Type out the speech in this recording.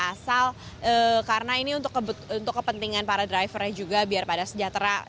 asal karena ini untuk kepentingan para drivernya juga biar pada sejahtera